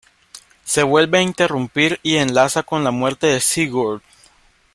Se vuelve a interrumpir y enlaza con la muerte de Sigurd.